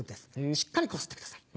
しっかりこすってください